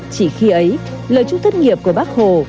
chỉ khi ấy lời chúc thất nghiệp của bác hồ